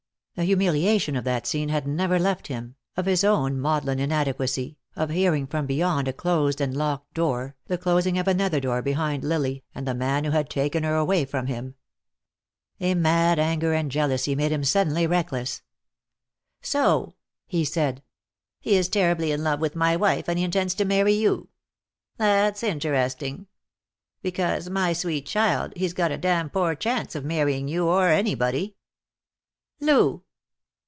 The humiliation of that scene had never left him, of his own maudlin inadequacy, of hearing from beyond a closed and locked door, the closing of another door behind Lily and the man who had taken her away from him. A mad anger and jealousy made him suddenly reckless. "So," he said, "he is terribly in love with my wife, and he intends to marry you. That's interesting. Because, my sweet child, he's got a damn poor chance of marrying you, or anybody." "Lou!"